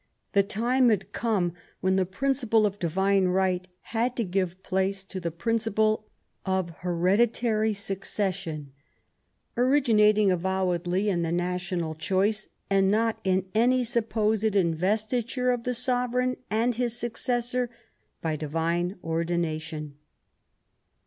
The time had come when the principle of divine right had to give place to the principle of hereditary succession, originating avowedly in the national choice, and not in any supposed investiture of the sovereign and his successors by divine ordination.